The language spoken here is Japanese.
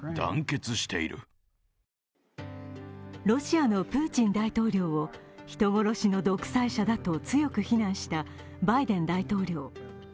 ロシアのプーチン大統領を人殺しの独裁者だと強く非難したバイデン大統領。